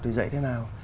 thì dạy thế nào